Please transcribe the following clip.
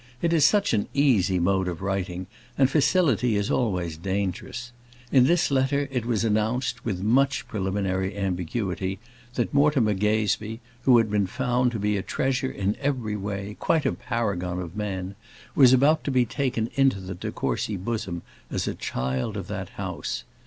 It is such an easy mode of writing, and facility is always dangerous. In this letter it was announced with much preliminary ambiguity, that Mortimer Gazebee who had been found to be a treasure in every way; quite a paragon of men was about to be taken into the de Courcy bosom as a child of that house.